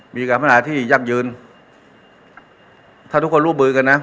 มีการปัญหาที่ยักษ์ยืนถ้าทุกคนรู้บื้อกันนะ